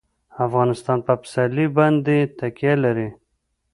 افغانستان په پسرلی باندې تکیه لري.